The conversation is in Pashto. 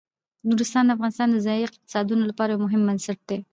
نورستان د افغانستان د ځایي اقتصادونو لپاره یو مهم بنسټ دی.